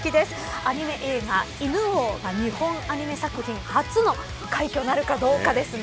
アニメ映画犬王が日本アニメ作品初の快挙なるかどうかですね。